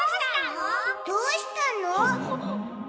どうしたの？